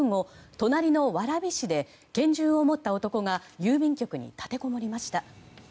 隣の蕨市で拳銃を持った男が郵便局に立てこもりました。